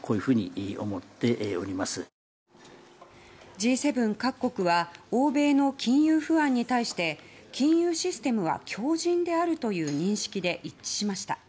Ｇ７各国は欧米の金融不安に対して金融システムは強靭であるという認識で一致しました。